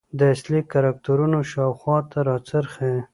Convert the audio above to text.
د اصلي کرکترونو شاخواته راڅرخي .